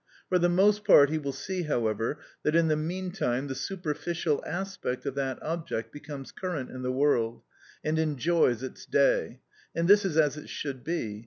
For the most part he will see, however, that in the meantime the superficial aspect of that object becomes current in the world, and enjoys its day; and this is as it should be.